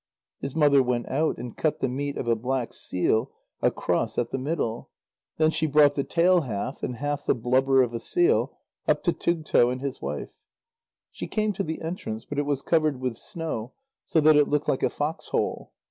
His mother went out and cut the meat of a black seal across at the middle. Then she brought the tail half, and half the blubber of a seal, up to Tugto and his wife. She came to the entrance, but it was covered with snow, so that it looked like a fox hole.